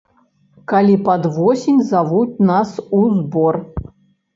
Калі пад восень завуць нас у збор.